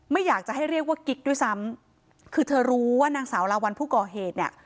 ไม่อยากจะให้เรียกว่ากิ๊กด้วยซ้ำคือเธอรู้ว่านางสาวลาวัลผู้ก่อเหตุเนี่ย